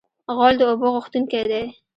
غول د اوبو غوښتونکی دی.